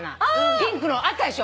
ピンクのあったでしょ。